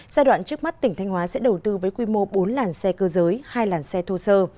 giai đoạn trước mắt tỉnh thanh hóa sẽ đầu tư với quy mô bốn làn xe cơ giới hai làn xe thô sơ